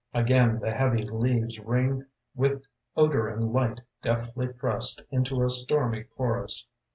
Again the heavy leaves ring With odor and light deftly pressed Into a stormy chorus.